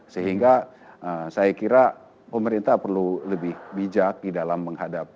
sehingga saya kira pemerintah perlu lebih bijak di dalam menghadapi